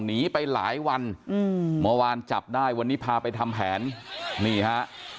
หนีไปหลายวันอืมเมื่อวานจับได้วันนี้พาไปทำแผนนี่ฮะ